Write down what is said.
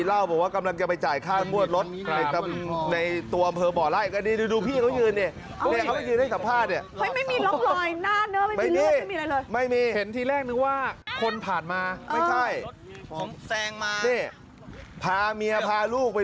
เล่าบอกว่ากำลังจะไปจ่ายค่างวดรถในตัวอำเภอบ่อไล่ก็ดี